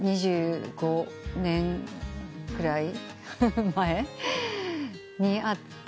２５年くらい前に会ってから。